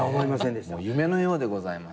夢のようでございます。